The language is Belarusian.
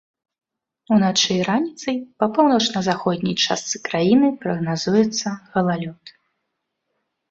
Уначы і раніцай па паўночна-заходняй частцы краіны прагназуецца галалёд.